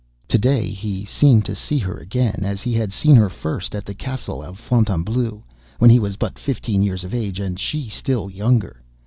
To day he seemed to see her again, as he had seen her first at the Castle of Fontainebleau, when he was but fifteen years of age, and she still younger.